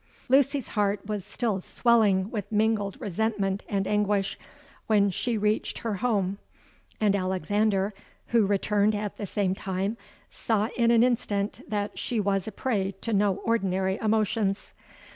"Lucy's heart was still swelling with mingled resentment and anguish, when she reached her home; and Alexander who returned at the same time, saw in an instant that she was a prey to no ordinary emotions.